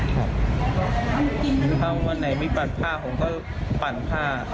ถ้าวันไหนไม่ปั่นผ้าผมก็ปั่นผ้า